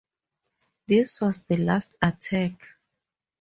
This was the last attack.